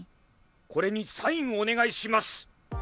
これにサインをお願いします！